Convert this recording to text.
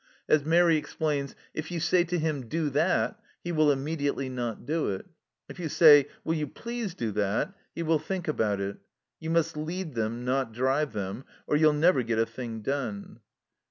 As Mairi explains, " If you say to him, ' Do that,' he will immediately not do it ! If you say, * Will you please do that ?' he will think about it. You must lead them, not drive them, or you'll never get a thing done."